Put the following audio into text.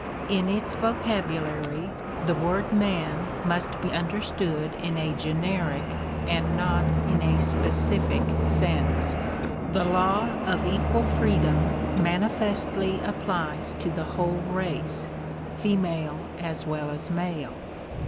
In its vocabulary the word man must be understood in a generic, and not in a spe cific sense. The law of equal freedom manifestly applies to the whole race — female as well as male.